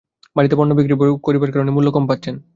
বাড়িতে পণ্য বিক্রি করার কারণে মূল্য কম পাচ্ছেন।